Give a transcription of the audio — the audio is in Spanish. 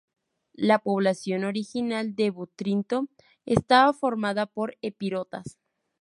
La población original de Butrinto estaba formada por epirotas.